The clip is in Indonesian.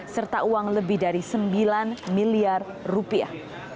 serta uang lebih dari sembilan miliar rupiah